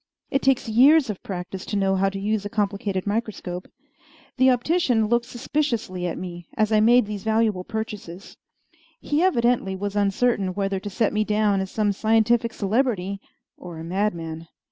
It takes years of practice to know how to use a complicated microscope. The optician looked suspiciously at me as I made these valuable purchases. He evidently was uncertain whether to set me down as some scientific celebrity or a madman.